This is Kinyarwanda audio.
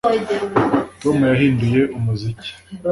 Tom yahinduye umuziki